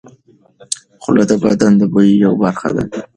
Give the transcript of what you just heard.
خوله د بدن د بوی یوه برخه ده.